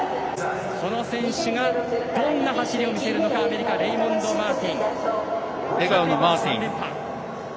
この選手がどんな走りを見せるのかアメリカレイモンド・マーティン。